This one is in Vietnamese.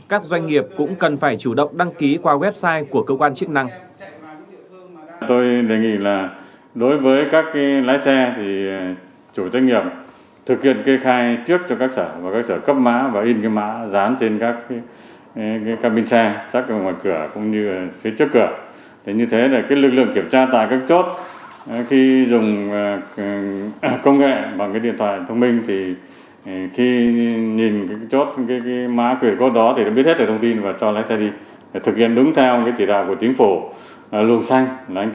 các doanh nghiệp cũng cần phải chủ động đăng ký qua website của cơ quan chức năng